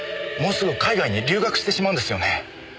もうすぐ海外に留学してしまうんですよね？